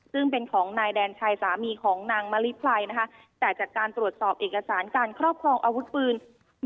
ซึ่งเป็นของนายแดนชัยสามีของนางมะลิไพรนะคะแต่จากการตรวจสอบเอกสารการครอบครองอาวุธปืน